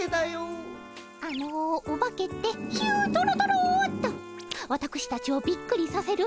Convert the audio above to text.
あのオバケってヒュドロドロっとわたくしたちをビックリさせる